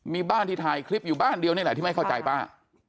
มีบ้านที่ถ่ายคลิปอยู่บ้านเดียวนี่แหละที่ไม่เข้าใจป้า